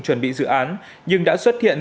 chuẩn bị dự án nhưng đã xuất hiện